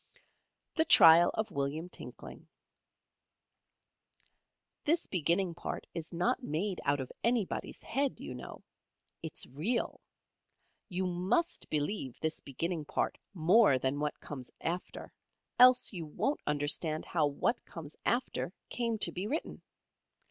THE TRIAL OF WILLIAM TINKLING This beginning part is not made out of anybody's head, you know. It's real. You must believe this beginning part more than what comes after, else you won't understand how what comes after came to be written.